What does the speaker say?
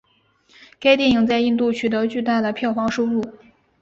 该电影在印度取得巨大的票房收入。